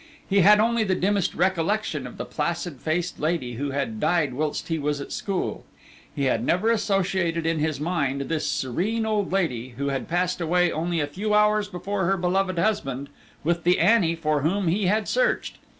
He had only the dimmest recollection of the placid faced lady who had died whilst he was at school; he had never associated in his mind this serene old lady, who had passed away only a few hours before her beloved husband, with the Annie for whom he had searched.